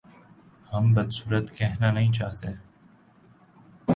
ہم بد صورت کہنا نہیں چاہتے